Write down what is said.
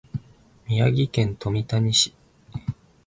宮城県富谷市